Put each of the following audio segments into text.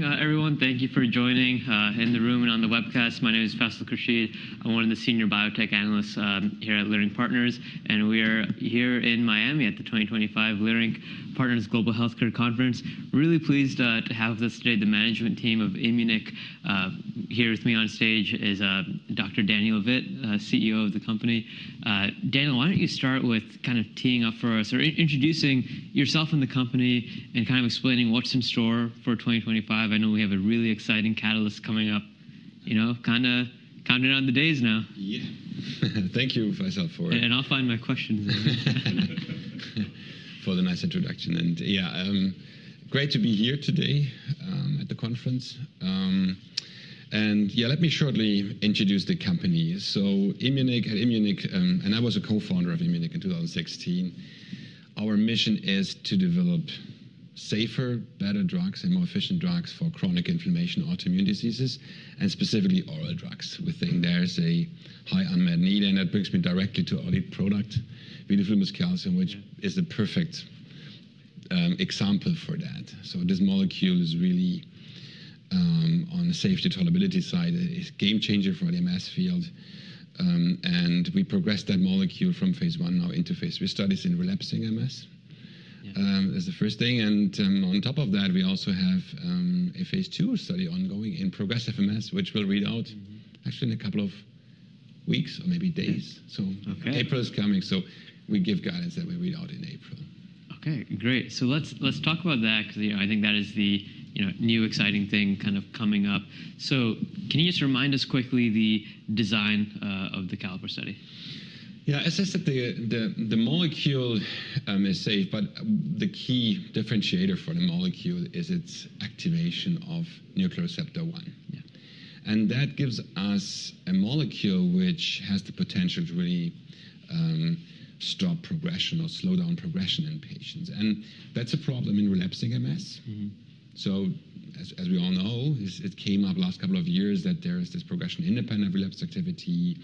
Good morning, everyone. Thank you for joining in the room and on the webcast. My name is Faisal Khurshid. I'm one of the senior biotech analysts here at Leerink Partners. We are here in Miami at the 2025 Leerink Partners Global Healthcare Conference. Really pleased to have with us today the management team of Immunic. Here with me on stage is Dr. Daniel Vitt, CEO of the company. Daniel, why don't you start with kind of teeing up for us or introducing yourself and the company and kind of explaining what's in store for 2025? I know we have a really exciting catalyst coming up. You know, kind of counting down the days now. Yeah. Thank you, Faisal, for. I'll find my questions. you for the nice introduction. Yeah, great to be here today at the conference. Yeah, let me shortly introduce the company. Immunic, and I was a co-founder of Immunic in 2016. Our mission is to develop safer, better drugs and more efficient drugs for chronic inflammation, autoimmune diseases, and specifically oral drugs. We think there is a high unmet need. That brings me directly to our lead product, vidofludimus calcium, which is a perfect example for that. This molecule is really, on the safety tolerability side, a game changer for the MS field. We progressed that molecule from phase one now into phase three studies in relapsing MS. That's the first thing. On top of that, we also have a phase two study ongoing in progressive MS, which will read out actually in a couple of weeks or maybe days. April is coming. So we give guidance that we read out in April. OK, great. Let's talk about that because I think that is the new exciting thing kind of coming up. Can you just remind us quickly the design of the CALLIPER study? Yeah, as I said, the molecule is safe, but the key differentiator for the molecule is its activation of nuclear receptor 1. That gives us a molecule which has the potential to really stop progression or slow down progression in patients. That's a problem in relapsing MS. As we all know, it came up last couple of years that there is this progression independent relapse activity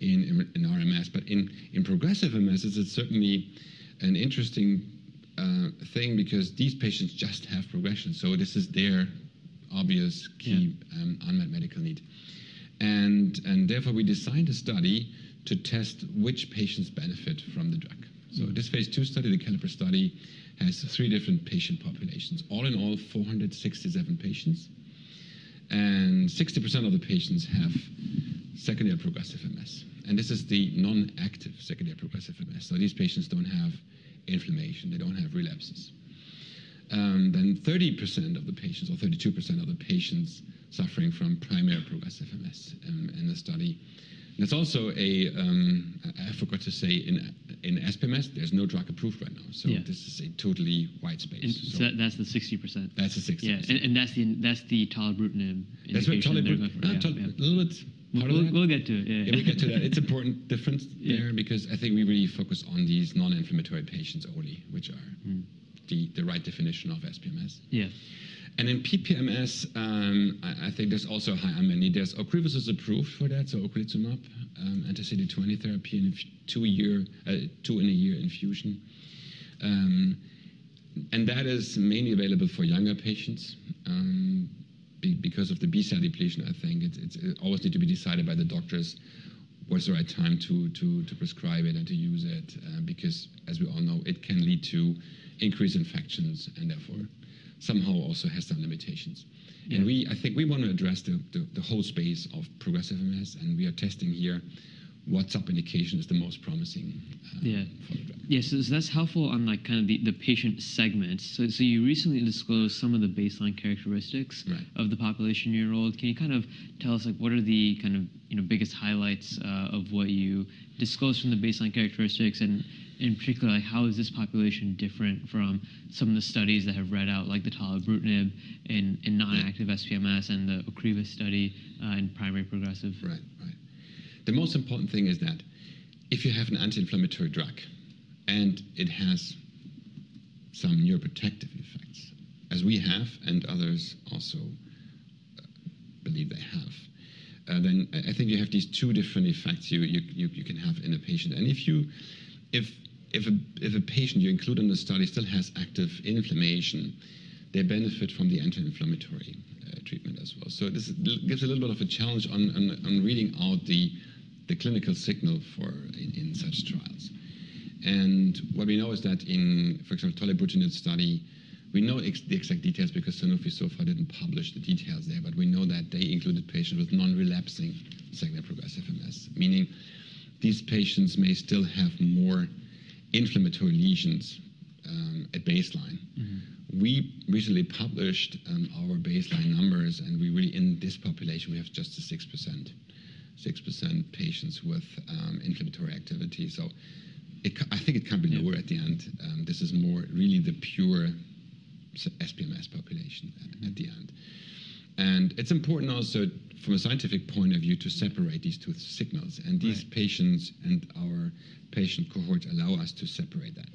in our MS. In progressive MS, it's certainly an interesting thing because these patients just have progression. This is their obvious key unmet medical need. Therefore, we designed a study to test which patients benefit from the drug. This phase two study, the CALLIPER study, has three different patient populations. All in all, 467 patients. 60% of the patients have secondary progressive MS. This is the non-active secondary progressive MS. These patients don't have inflammation. They don't have relapses. Thirty percent of the patients or 32% of the patients suffering from primary progressive MS in the study. It's also a, I forgot to say, in SPMS, there's no drug approved right now. This is a totally white space. That's the 60%. That's the 60%. That's the tolerable. That's tolerable, a little bit. We'll get to it. We'll get to that. It's an important difference there because I think we really focus on these non-inflammatory patients only, which are the right definition of SPMS. Yeah. In PPMS, I think there's also a high unmet need. Ocrevus is approved for that, so Ocrelizumab, anti-CD20 therapy in a two-year infusion. That is mainly available for younger patients because of the B-cell depletion. I think it always needs to be decided by the doctors what's the right time to prescribe it and to use it because, as we all know, it can lead to increased infections and therefore somehow also has some limitations. I think we want to address the whole space of progressive MS. We are testing here what sub-indication is the most promising for the drug. Yeah. That's helpful on kind of the patient segments. You recently disclosed some of the baseline characteristics of the population you enrolled. Can you kind of tell us what are the biggest highlights of what you disclosed from the baseline characteristics? In particular, how is this population different from some of the studies that have read out like the tolebrutinib in non-active SPMS and the Ocrevus study in primary progressive? Right, right. The most important thing is that if you have an anti-inflammatory drug and it has some neuroprotective effects, as we have and others also believe they have, I think you have these two different effects you can have in a patient. If a patient you include in the study still has active inflammation, they benefit from the anti-inflammatory treatment as well. This gives a little bit of a challenge on reading out the clinical signal in such trials. What we know is that in, for example, the tolebrutinib study, we do not know the exact details because Sanofi so far did not publish the details there. We know that they included patients with non-relapsing secondary progressive MS, meaning these patients may still have more inflammatory lesions at baseline. We recently published our baseline numbers, and we really, in this population, we have just the 6% patients with inflammatory activity. I think it can't be lower at the end. This is more really the pure SPMS population at the end. It's important also from a scientific point of view to separate these two signals. These patients and our patient cohort allow us to separate that,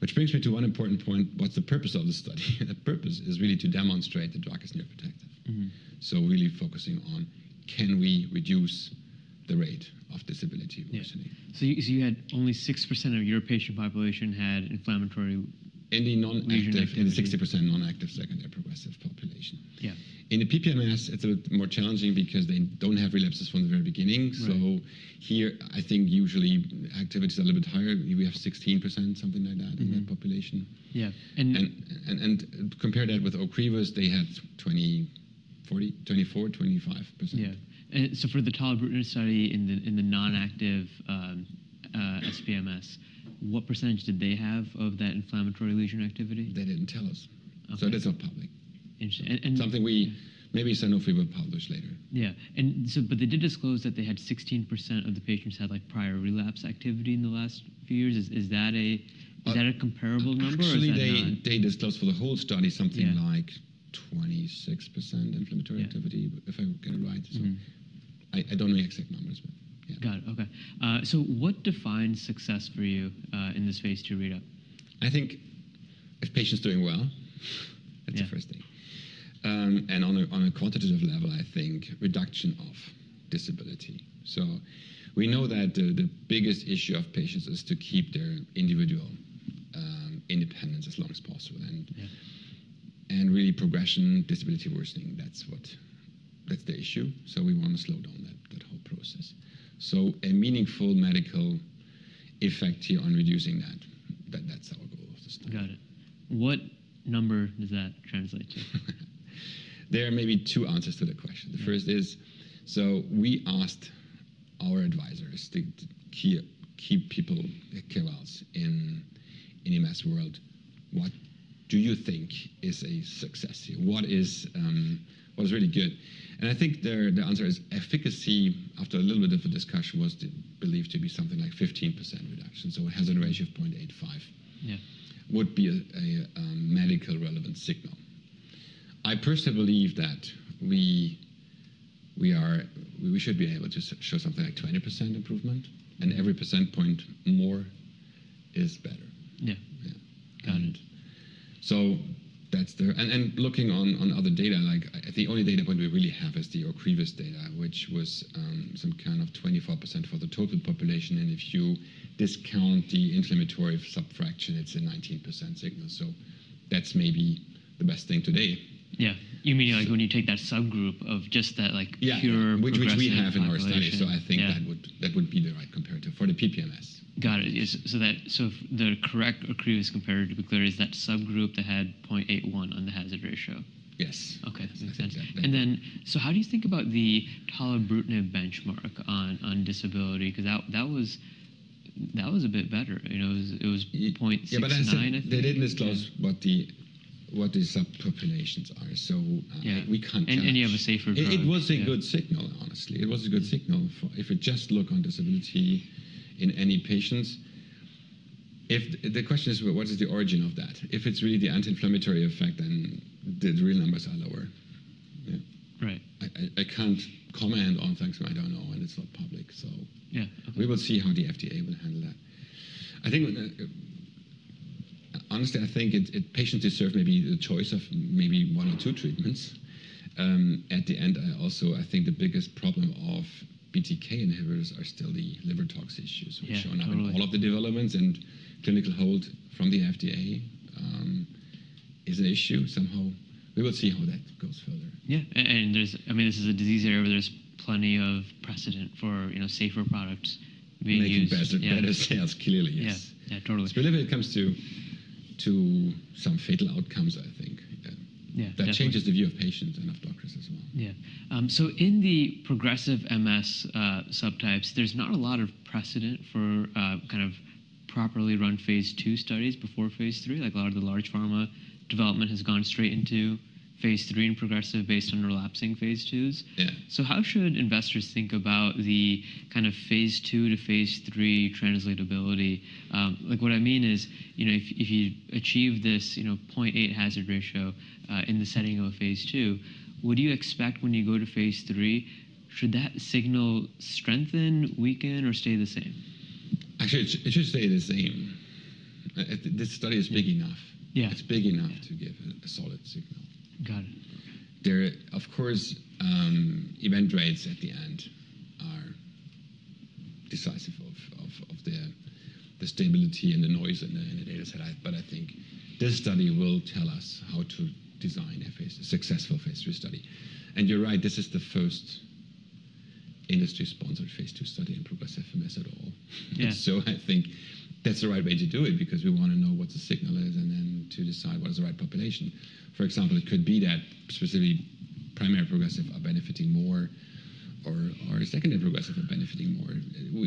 which brings me to one important point. What's the purpose of the study? The purpose is really to demonstrate the drug is neuroprotective. Really focusing on can we reduce the rate of disability recently? You had only 6% of your patient population had inflammatory. In the non-active, in the 60% non-active secondary progressive population. In the PPMS, it's a bit more challenging because they don't have relapses from the very beginning. Here, I think usually activities are a little bit higher. We have 16%, something like that, in that population. Compare that with Ocrevus, they had 24%-25%. Yeah. For the tolebrutinib study in the non-active SPMS, what percentage did they have of that inflammatory lesion activity? They didn't tell us. It isn't public. Interesting. Something we maybe Sanofi will publish later. Yeah. They did disclose that they had 16% of the patients had prior relapse activity in the last few years. Is that a comparable number or is that not? They disclosed for the whole study something like 26% inflammatory activity, if I'm getting it right. I don't know the exact numbers, but yeah. Got it. OK. What defines success for you in this phase two readout? I think if patient's doing well, that's the first thing. On a quantitative level, I think reduction of disability. We know that the biggest issue of patients is to keep their individual independence as long as possible. Really, progression, disability worsening, that's the issue. We want to slow down that whole process. A meaningful medical effect here on reducing that, that's our goal of this study. Got it. What number does that translate to? There are maybe two answers to the question. The first is, we asked our advisors, the key people, KOLs in the MS world, what do you think is a success here? What is really good? I think the answer is efficacy, after a little bit of a discussion, was believed to be something like 15% reduction. It has a ratio of 0.85, would be a medically relevant signal. I personally believe that we should be able to show something like 20% improvement. Every percentage point more is better. Yeah. Got it. That's there. Looking on other data, the only data point we really have is the Ocrevus data, which was some kind of 24% for the total population. If you discount the inflammatory subfraction, it's a 19% signal. That's maybe the best thing today. Yeah. You mean when you take that subgroup of just that pure progressive. Yeah, which we have in our study. I think that would be the right comparator for the PPMS. Got it. The correct Ocrevus comparator, to be clear, is that subgroup that had 0.81 on the hazard ratio. Yes. OK, makes sense. How do you think about the tolebrutinib benchmark on disability? Because that was a bit better. It was 0.69, I think. Yeah, they didn't disclose what the subpopulations are. So we can't tell. Do you have a safer draw? It was a good signal, honestly. It was a good signal. If we just look on disability in any patients, the question is, what is the origin of that? If it's really the anti-inflammatory effect, then the real numbers are lower. Right. I can't comment on things I don't know, and it's not public. We will see how the FDA will handle that. Honestly, I think patients deserve maybe the choice of maybe one or two treatments. At the end, I also think the biggest problem of BTK inhibitors are still the liver tox issues, which are not in all of the developments. Clinical hold from the FDA is an issue somehow. We will see how that goes further. Yeah. I mean, this is a disease area, but there's plenty of precedent for safer products being used. Better sales, clearly, yes. Yeah, totally. Especially when it comes to some fatal outcomes, I think. That changes the view of patients and of doctors as well. Yeah. In the progressive MS subtypes, there's not a lot of precedent for kind of properly run phase two studies before phase three. Like a lot of the large pharma development has gone straight into phase three in progressive based on relapsing phase twos. How should investors think about the kind of phase two to phase three translatability? What I mean is, if you achieve this 0.8 hazard ratio in the setting of a phase two, what do you expect when you go to phase three? Should that signal strengthen, weaken, or stay the same? Actually, it should stay the same. This study is big enough. It's big enough to give a solid signal. Got it. Of course, event rates at the end are decisive of the stability and the noise in the data set. I think this study will tell us how to design a successful phase three study. You're right, this is the first industry-sponsored phase two study in progressive MS at all. I think that's the right way to do it because we want to know what the signal is and then to decide what is the right population. For example, it could be that specifically primary progressive are benefiting more or secondary progressive are benefiting more.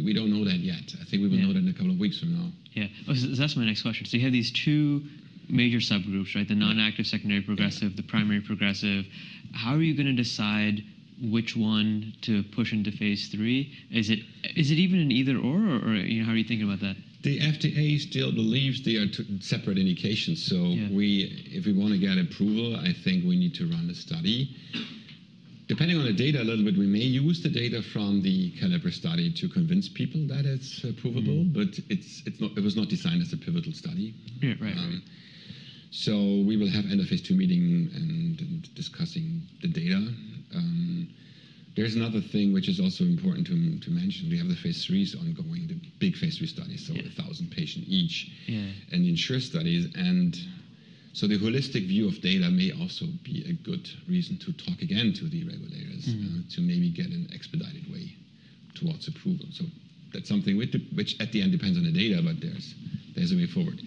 We don't know that yet. I think we will know that in a couple of weeks from now. Yeah. That's my next question. You have these two major subgroups, right? The non-active secondary progressive, the primary progressive. How are you going to decide which one to push into phase three? Is it even an either/or? How are you thinking about that? The FDA still believes they are separate indications. If we want to get approval, I think we need to run a study. Depending on the data a little bit, we may use the data from the CALLIPER study to convince people that it's approvable. It was not designed as a pivotal study. We will have end of phase two meeting and discussing the data. There's another thing which is also important to mention. We have the phase threes ongoing, the big phase three studies, 1,000 patients each and the ENSURE studies. The holistic view of data may also be a good reason to talk again to the regulators to maybe get an expedited way towards approval. That's something which at the end depends on the data, but there's a way forward.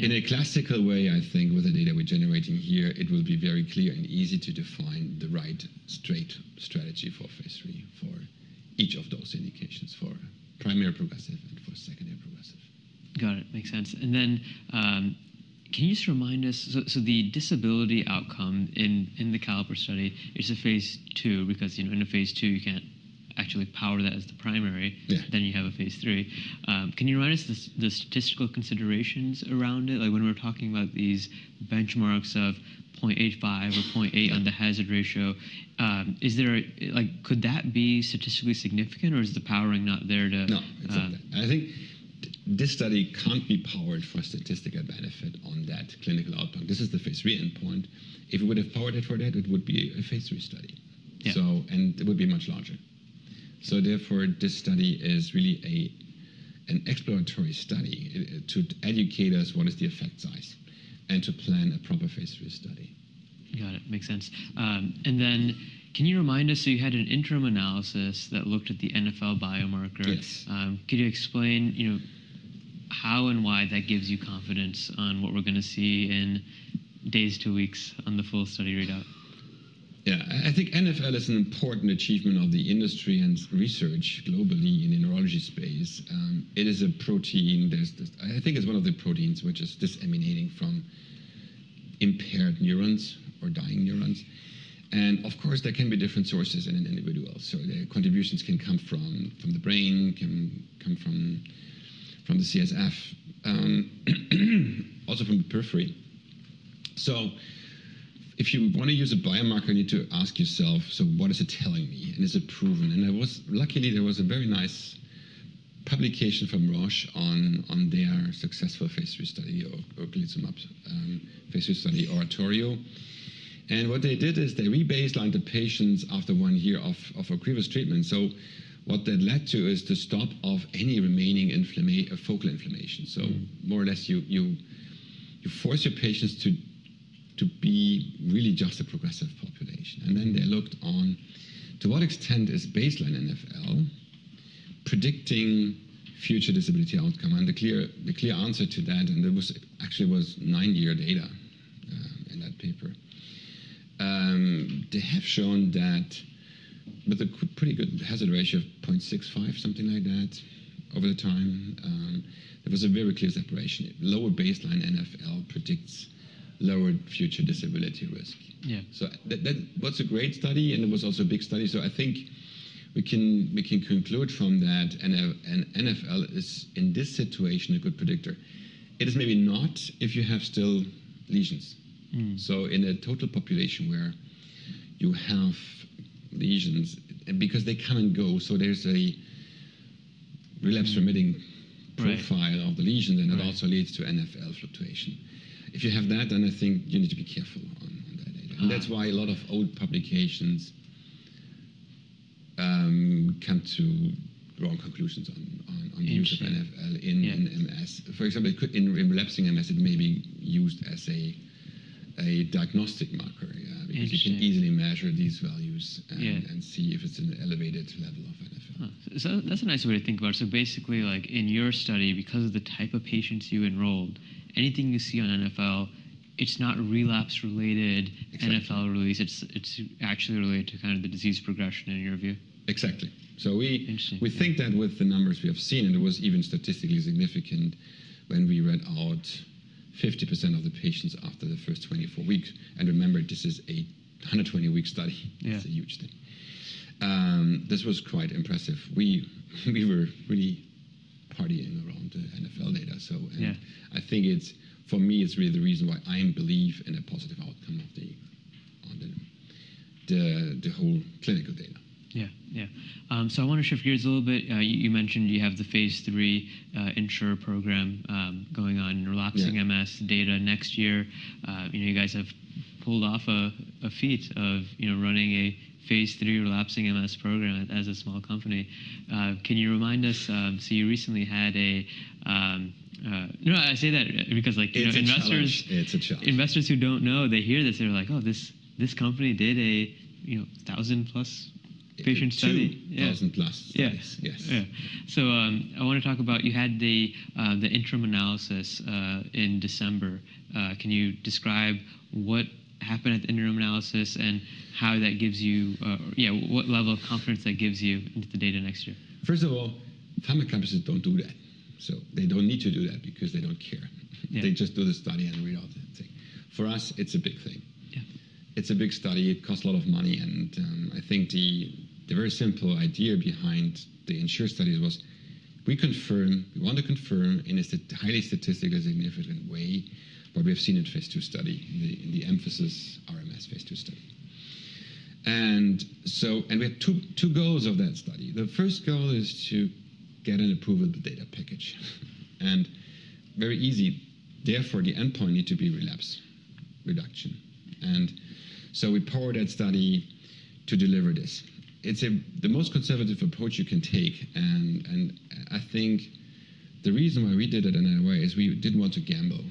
In a classical way, I think with the data we're generating here, it will be very clear and easy to define the right straight strategy for phase three for each of those indications, for primary progressive and for secondary progressive. Got it. Makes sense. Can you just remind us, so the disability outcome in the CALLIPER study is a phase two because in a phase two, you can't actually power that as the primary. You have a phase three. Can you remind us the statistical considerations around it? Like when we're talking about these benchmarks of 0.85 or 0.8 on the hazard ratio, could that be statistically significant? Or is the powering not there to? No, it's not that. I think this study can't be powered for statistical benefit on that clinical outcome. This is the phase three endpoint. If we would have powered it for that, it would be a phase three study. It would be much larger. Therefore, this study is really an exploratory study to educate us what is the effect size and to plan a proper phase three study. Got it. Makes sense. Can you remind us, you had an interim analysis that looked at the NfL biomarker? Yes. Could you explain how and why that gives you confidence on what we're going to see in days to weeks on the full study readout? Yeah. I think NfL is an important achievement of the industry and research globally in the neurology space. It is a protein. I think it's one of the proteins which is disseminating from impaired neurons or dying neurons. Of course, there can be different sources in an individual. The contributions can come from the brain, can come from the CSF, also from the periphery. If you want to use a biomarker, you need to ask yourself, what is it telling me? Is it proven? Luckily, there was a very nice publication from Roche on their successful phase three study, Ocrevus's phase three study ORATORIO. What they did is they rebaselined the patients after one year of Ocrevus treatment. What that led to is the stop of any remaining focal inflammation. More or less, you force your patients to be really just a progressive population. They looked on to what extent is baseline NFL predicting future disability outcome. The clear answer to that, and there actually was nine-year data in that paper, they have shown that with a pretty good hazard ratio of 0.65, something like that, over the time, there was a very clear separation. Lower baseline NfL predicts lower future disability risk. That was a great study, and it was also a big study. I think we can conclude from that NfL is, in this situation, a good predictor. It is maybe not if you have still lesions. In a total population where you have lesions, because they come and go, there is a relapse-remitting profile of the lesions, and it also leads to NfL fluctuation. If you have that, then I think you need to be careful on that. That is why a lot of old publications come to wrong conclusions on the use of NfL in MS. For example, in relapsing MS, it may be used as a diagnostic marker, because you can easily measure these values and see if it is an elevated level of NfL. That's a nice way to think about it. Basically, in your study, because of the type of patients you enrolled, anything you see on NfL, it's not relapse-related NfL release. It's actually related to kind of the disease progression in your view. Exactly. We think that with the numbers we have seen, and it was even statistically significant when we read out 50% of the patients after the first 24 weeks. Remember, this is a 120-week study. It's a huge thing. This was quite impressive. We were really partying around the NfL data. I think for me, it's really the reason why I believe in a positive outcome on the whole clinical data. Yeah, yeah. I want to shift gears a little bit. You mentioned you have the phase 3 ENSURE program going on in relapsing MS data next year. You guys have pulled off a feat of running a phase 3 relapsing MS program as a small company. Can you remind us, you recently had a--no, I say that because investors-- It's a shock. Investors who don't know, they hear this, they're like, oh, this company did a 1,000-plus patient study. 1,000-plus. Yes, yes. I want to talk about you had the interim analysis in December. Can you describe what happened at the interim analysis and how that gives you—yeah, what level of confidence that gives you into the data next year? First of all, pharma companies don't do that. They don't need to do that because they don't care. They just do the study and read out the thing. For us, it's a big thing. It's a big study. It costs a lot of money. I think the very simple idea behind the ENSURE studies was we confirm, we want to confirm in a highly statistically significant way what we have seen in the phase two study, the EMPhASIS RMS phase two study. We had two goals of that study. The first goal is to get an approval of the data package. Very easy. Therefore, the endpoint needs to be relapse reduction. We powered that study to deliver this. It's the most conservative approach you can take. I think the reason why we did it in a way is we didn't want to gamble.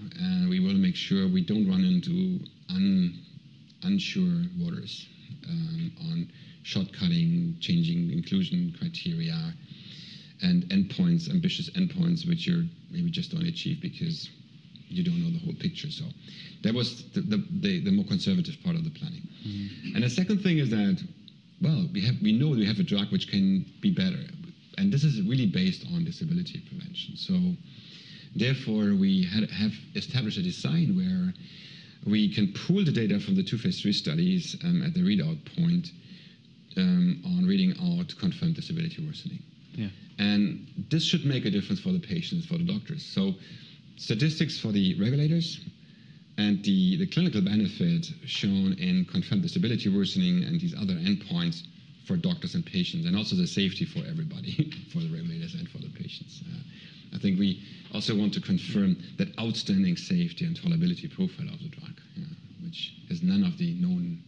We want to make sure we do not run into unsure waters on shortcutting, changing inclusion criteria, and ambitious endpoints, which you maybe just do not achieve because you do not know the whole picture. That was the more conservative part of the planning. The second thing is that we know we have a drug which can be better. This is really based on disability prevention. Therefore, we have established a design where we can pool the data from the two phase 3 studies at the readout point on reading out confirmed disability worsening. This should make a difference for the patients, for the doctors. Statistics for the regulators and the clinical benefit shown in confirmed disability worsening and these other endpoints for doctors and patients, and also the safety for everybody, for the regulators and for the patients. I think we also want to confirm that outstanding safety and tolerability profile of the drug, which has none of the known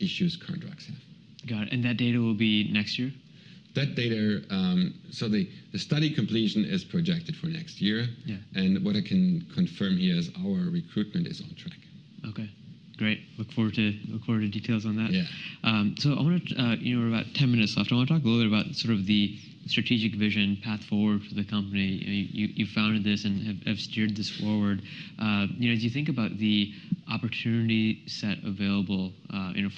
issues current drugs have. Got it. That data will be next year? That data, so the study completion is projected for next year. What I can confirm here is our recruitment is on track. OK, great. Look forward to details on that. We are about 10 minutes left. I want to talk a little bit about sort of the strategic vision path forward for the company. You founded this and have steered this forward. As you think about the opportunity set available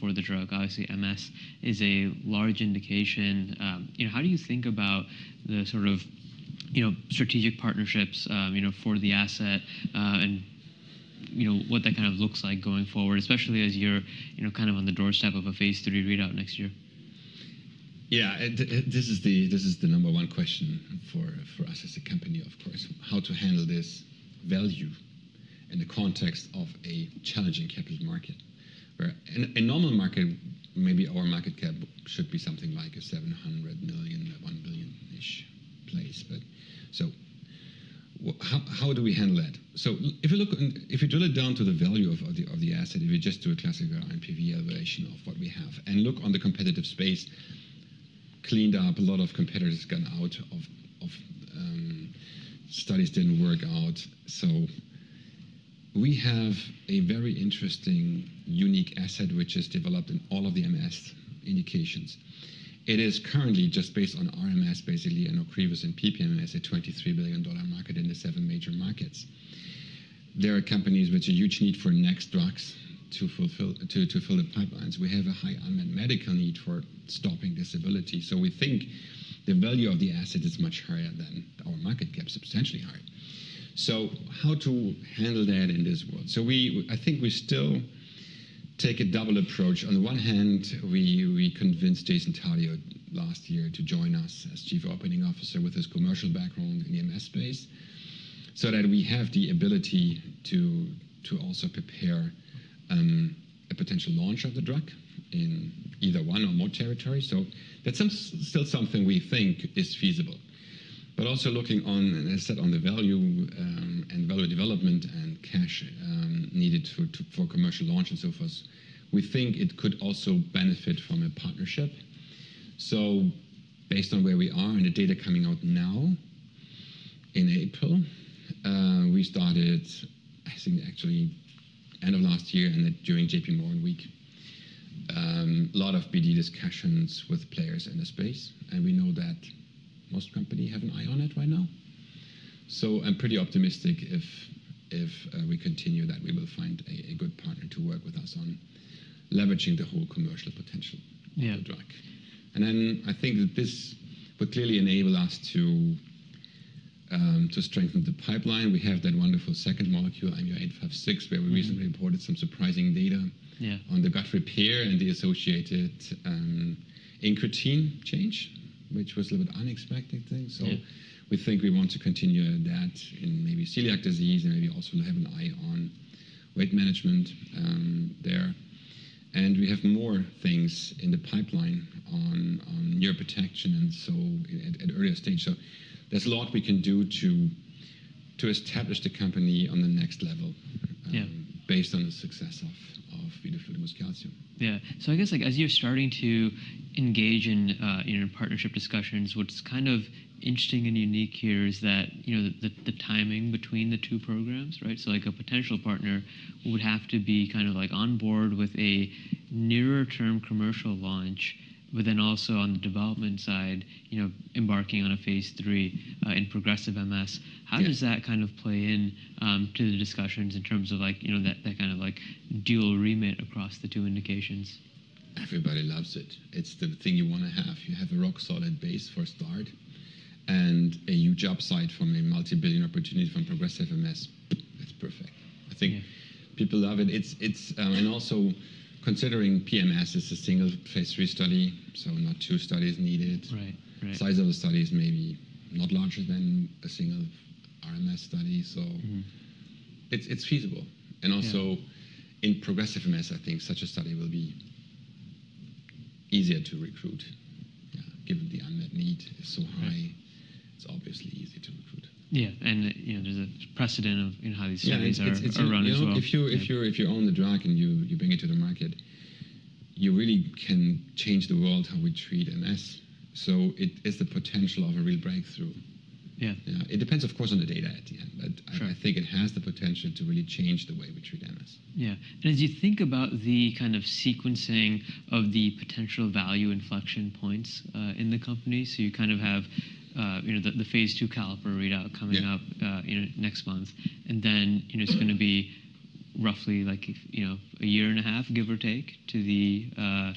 for the drug, obviously MS is a large indication. How do you think about the sort of strategic partnerships for the asset and what that kind of looks like going forward, especially as you're kind of on the doorstep of a phase three readout next year? Yeah. This is the number one question for us as a company, of course, how to handle this value in the context of a challenging capital market. In a normal market, maybe our market cap should be something like a $700 million, $1 billion-ish place. How do we handle that? If you drill it down to the value of the asset, if you just do a classic rNPV evaluation of what we have and look on the competitive space, cleaned up, a lot of competitors got out of studies didn't work out. We have a very interesting, unique asset which is developed in all of the MS indications. It is currently just based on RMS, basically, and Ocrevus and PPM as a $23 billion market in the seven major markets. There are companies which are huge need for next drugs to fill the pipelines. We have a high unmet medical need for stopping disability. We think the value of the asset is much higher than our market cap, substantially higher. How to handle that in this world? I think we still take a double approach. On the one hand, we convinced Jason Tardio last year to join us as Chief Operating Officer with his commercial background in the MS space so that we have the ability to also prepare a potential launch of the drug in either one or more territories. That is still something we think is feasible. Also looking on, as I said, on the value and value development and cash needed for commercial launch and so forth, we think it could also benefit from a partnership. Based on where we are and the data coming out now in April, we started, I think, actually end of last year and during JP Morgan week, a lot of BD discussions with players in the space. We know that most companies have an eye on it right now. I'm pretty optimistic if we continue that we will find a good partner to work with us on leveraging the whole commercial potential of the drug. I think that this would clearly enable us to strengthen the pipeline. We have that wonderful second molecule, IMU-856, where we recently reported some surprising data on the gut repair and the associated incretine change, which was a little bit unexpected thing. We think we want to continue that in maybe celiac disease and maybe also have an eye on weight management there. We have more things in the pipeline on neuroprotection and at earlier stage. There is a lot we can do to establish the company on the next level based on the success of vidofludimus calcium. Yeah. I guess as you're starting to engage in partnership discussions, what's kind of interesting and unique here is that the timing between the two programs, right? A potential partner would have to be kind of on board with a nearer-term commercial launch, but then also on the development side, embarking on a phase three in progressive MS. How does that kind of play into the discussions in terms of that kind of dual remit across the two indications? Everybody loves it. It's the thing you want to have. You have a rock-solid base for a start and a huge upside from a multi-billion opportunity from progressive MS. It's perfect. I think people love it. Also considering PMS is a single phase 3 study, not two studies needed. Size of the study is maybe not larger than a single RMS study. It’s feasible. Also in progressive MS, I think such a study will be easier to recruit, given the unmet need is so high. It's obviously easy to recruit. Yeah. There is a precedent of how these studies are run as well. Yeah. If you own the drug and you bring it to the market, you really can change the world how we treat MS. It is the potential of a real breakthrough. It depends, of course, on the data at the end. I think it has the potential to really change the way we treat MS. Yeah. As you think about the kind of sequencing of the potential value inflection points in the company, you kind of have the phase two CALLIPER readout coming up next month. It is going to be roughly a year and a half, give or take, to the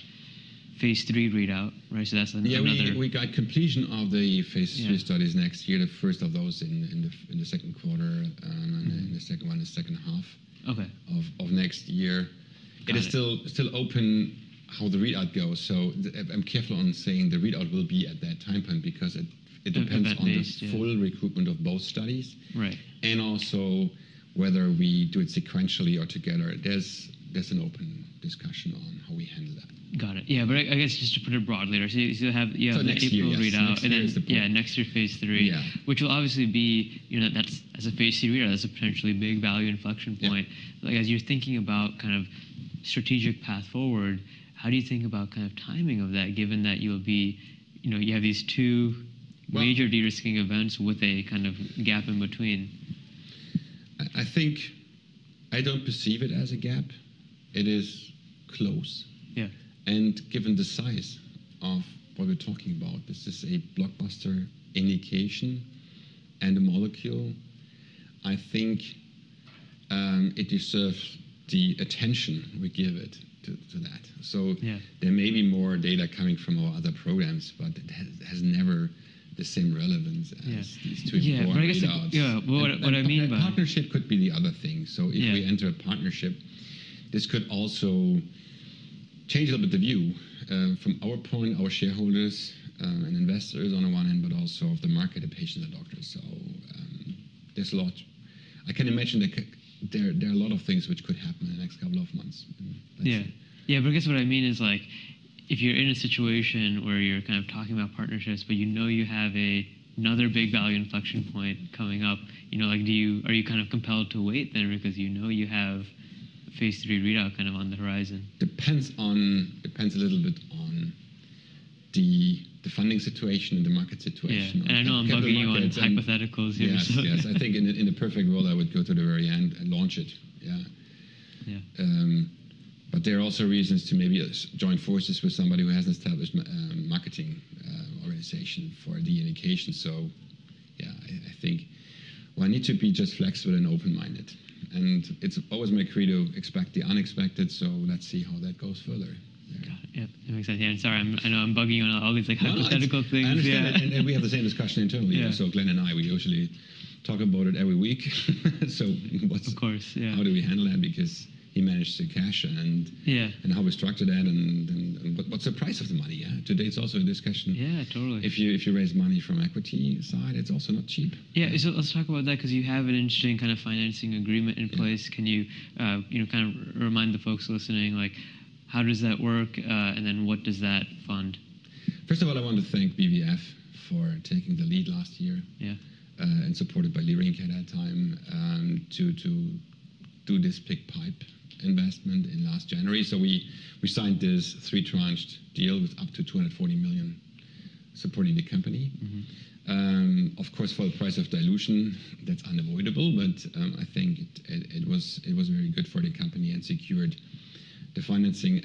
phase three readout, right? That is another. Yeah. We got completion of the phase three studies next year, the first of those in the second quarter, and the second one in the second half of next year. It is still open how the readout goes. I am careful on saying the readout will be at that time point because it depends on the full recruitment of both studies and also whether we do it sequentially or together. There is an open discussion on how we handle that. Got it. Yeah. I guess just to put it broadly, you have the next full readout and then next year phase three, which will obviously be as a phase three readout, there's a potentially big value inflection point. As you're thinking about kind of strategic path forward, how do you think about kind of timing of that, given that you have these two major de-risking events with a kind of gap in between? I think I don't perceive it as a gap. It is close. Given the size of what we're talking about, this is a blockbuster indication and a molecule. I think it deserves the attention we give it to that. There may be more data coming from our other programs, but it has never the same relevance as these two important readouts. Yeah. What I mean by. Partnership could be the other thing. If we enter a partnership, this could also change a little bit the view from our point, our shareholders and investors on the one hand, but also of the market, the patients, the doctors. There is a lot. I can imagine there are a lot of things which could happen in the next couple of months. Yeah. Yeah. I guess what I mean is if you're in a situation where you're kind of talking about partnerships, but you know you have another big value inflection point coming up, are you kind of compelled to wait then because you know you have phase three readout kind of on the horizon? Depends a little bit on the funding situation and the market situation. Yeah. I know I'm bugging you on hypotheticals here. Yes, yes. I think in a perfect world, I would go to the very end and launch it. Yeah. There are also reasons to maybe join forces with somebody who has an established marketing organization for the indication. Yeah, I think we need to be just flexible and open-minded. It is always my creed to expect the unexpected. Let's see how that goes further. Got it. Yeah. That makes sense. Yeah. Sorry, I know I'm bugging you on all these hypothetical things. We have the same discussion internally. Glenn and I, we usually talk about it every week. How do we handle that because he managed the cash and how we structured that and what's the price of the money? Yeah. Today it's also a discussion. Yeah, totally. If you raise money from equity side, it's also not cheap. Yeah. Let's talk about that because you have an interesting kind of financing agreement in place. Can you kind of remind the folks listening, how does that work and then what does that fund? First of all, I want to thank BVF for taking the lead last year and supported by Lyrinc at that time to do this PIPE investment in last January. We signed this three-tranched deal with up to $240 million supporting the company. Of course, for the price of dilution, that's unavoidable. I think it was very good for the company and secured the financing.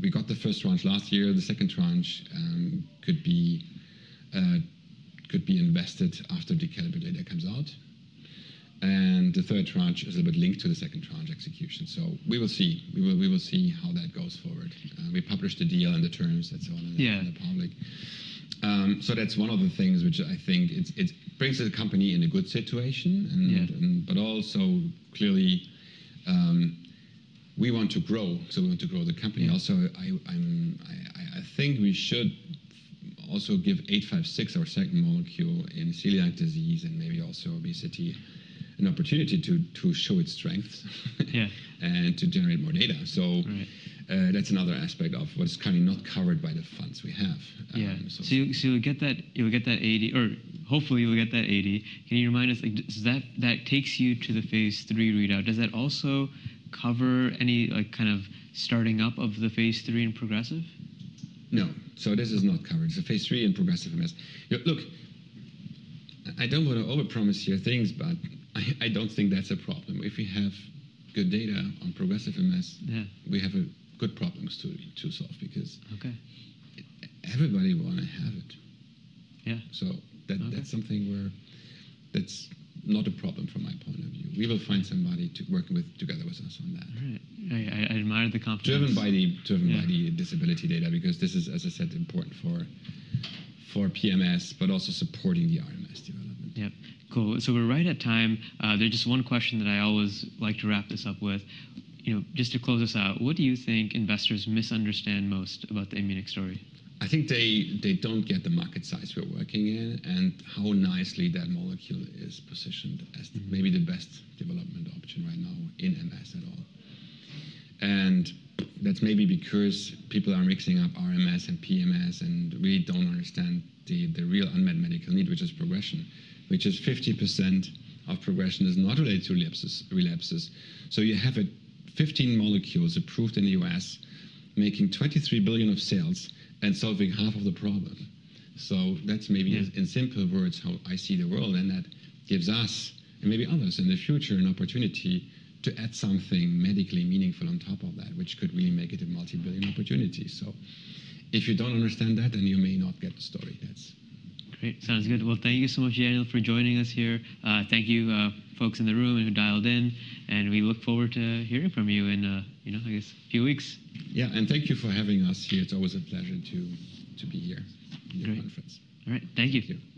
We got the first tranche last year. The second tranche could be invested after the CALLIPER data comes out. The third tranche is a little bit linked to the second tranche execution. We will see. We will see how that goes forward. We published the deal and the terms and so on in the public. That's one of the things which I think it brings the company in a good situation. Also clearly, we want to grow. We want to grow the company. Also, I think we should also give 856, our second molecule in celiac disease and maybe also obesity, an opportunity to show its strength and to generate more data. That is another aspect of what is currently not covered by the funds we have. Yeah. So you'll get that 80 or hopefully you'll get that 80. Can you remind us, does that take you to the phase three readout? Does that also cover any kind of starting up of the phase three in progressive? No. This is not covered. It's a phase three in progressive MS. Look, I don't want to overpromise here things, but I don't think that's a problem. If we have good data on progressive MS, we have good problems to solve because everybody wants to have it. That's something where that's not a problem from my point of view. We will find somebody to work together with us on that. Right. I admire the confidence. Driven by the disability data because this is, as I said, important for PMS, but also supporting the RMS development. Yep. Cool. We are right at time. There is just one question that I always like to wrap this up with. Just to close us out, what do you think investors misunderstand most about the Immunic story? I think they don't get the market size we're working in and how nicely that molecule is positioned as maybe the best development option right now in MS at all. That's maybe because people are mixing up RMS and PMS and really don't understand the real unmet medical need, which is progression, which is 50% of progression is not related to relapses. You have 15 molecules approved in the US, making $23 billion of sales and solving half of the problem. That's maybe in simple words how I see the world. That gives us and maybe others in the future an opportunity to add something medically meaningful on top of that, which could really make it a multi-billion opportunity. If you don't understand that, then you may not get the story. Great. Sounds good. Thank you so much, Daniel, for joining us here. Thank you, folks in the room who dialed in. We look forward to hearing from you in, I guess, a few weeks. Yeah. Thank you for having us here. It's always a pleasure to be here in the conference. All right. Thank you. Thank you.